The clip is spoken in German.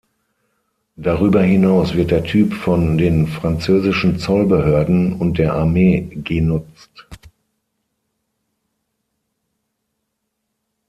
Darüber hinaus wird der Typ von den französischen Zollbehörden und der Armee genutzt.